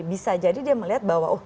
bisa jadi dia melihat bahwa